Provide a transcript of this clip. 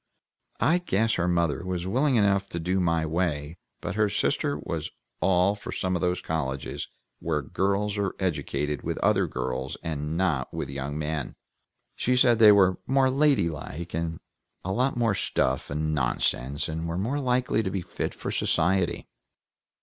I guess her mother was willing enough to do my way, but her sister was all for some of those colleges where girls are educated with other girls and not with young men. She said they were more ladylike, and a lot more stuff and nonsense, and were more likely to be fit for society.